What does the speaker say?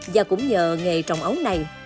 và cũng nhờ nghề trồng ấu này